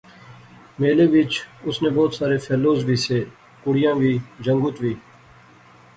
میلے وچ اس نے بہت سارے فیلوز وی سے، کڑئیاں وی، جنگت وی